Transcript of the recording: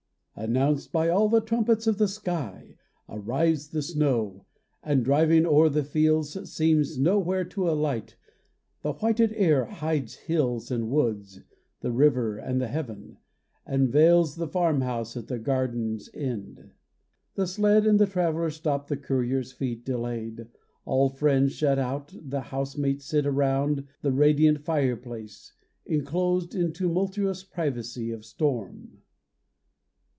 _ Announced by all the trumpets of the sky, Arrives the snow; and, driving o'er the fields, Seems nowhere to alight; the whited air Hides hills and woods, the river, and the heaven, And veils the farm house at the garden's end. The sled and traveler stopp'd, the courier's feet Delay'd, all friends shut out, the house mates sit Around the radiant fire place, inclosed In a tumultuous privacy of storm.